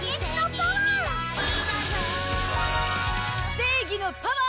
正義のパワー！